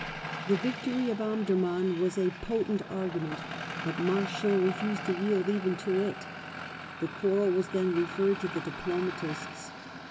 The victory of Omdurman was a potent argument, but Marchand refused to yield even to it. The quarrel was then referred to the diplomatists.